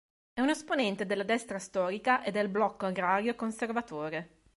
È un esponente della destra storica e del blocco agrario conservatore.